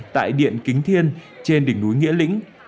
tại điện kính thiên trên đỉnh núi nghĩa lĩnh